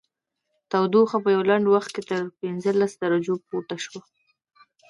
تودوخه په یوه لنډ وخت کې تر پنځلس درجو پورته شوه